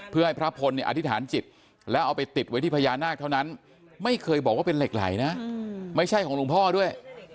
เพื่อให้พระพลเนี่ยอธิษฐานจิตแล้วเอาไปติดไว้ที่พญานาคเท่านั้นไม่เคยบอกว่าเป็นเหล็กไหลนะไม่ใช่ของหลวงพ่อด้วย